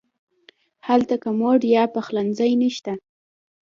هلته کمود یا پخلنځی نه شته.